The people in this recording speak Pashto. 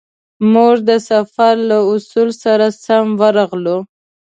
موږ د سفر له اصولو سره سم ورغلو.